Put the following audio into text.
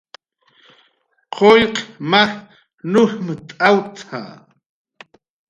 "Qullq maj nujmt'awt""a"